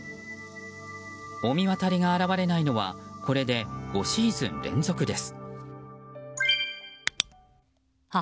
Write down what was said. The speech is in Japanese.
御神渡りが表れないのはこれで５シーズン連続です。